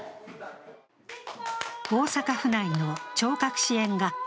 大阪府内の聴覚支援学校